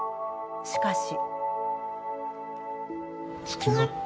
しかし。